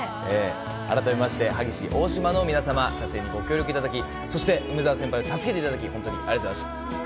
改めまして、萩市大島の皆様、撮影にご協力いただき、そして梅澤先輩を助けていただき、本当にありがとうございました。